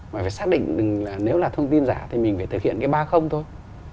mà phải xác định nếu là thông tin giả thì mình phải thực hiện cái ba không thôi